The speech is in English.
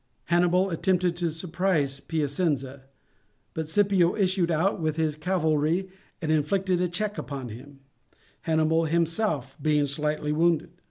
Hannibal attempted to surprise Piacenza, but Scipio issued out with his cavalry and inflicted a check upon him, Hannibal himself being slightly wounded.